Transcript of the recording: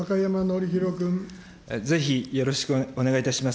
ぜひよろしくお願いいたします。